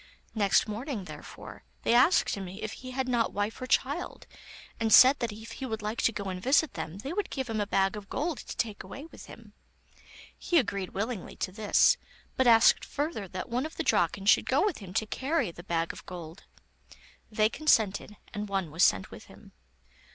Next morning, therefore, they asked him if he had not wife or child, and said that if he would like to go and visit them they would give him a bag of gold to take away with him. He agreed willingly to this, but asked further that one of the Draken should go with him to carry the bag of gold. They consented, and one was sent with him.